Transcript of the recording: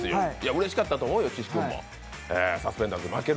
うれしかったと思うよ岸君も。